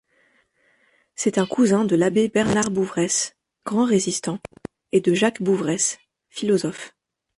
C'est un cousin de l'Abbé Bernard Bouveresse, grand résistant, et de Jacques Bouveresse, philosophe.